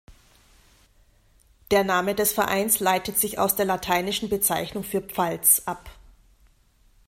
Der Name des Vereins leitet sich aus der lateinischen Bezeichnung für Pfalz ab.